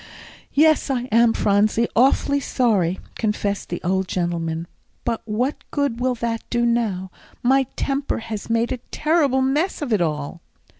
"Yes, I am, Phronsie, awfully sorry," confessed the old gentleman; "but what good will that do now? My temper has made a terrible mess of it all."